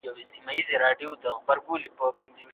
که په ټولنه کې سوله وي، نو ژوند به خوندور وي.